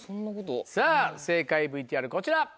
さぁ正解ＶＴＲこちら。